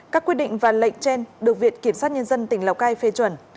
các quyết định và lệnh trên được viện kiểm sát nhân dân tỉnh lào cai phê chuẩn